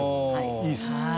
いいですね。